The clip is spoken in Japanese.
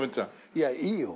いやいいよ。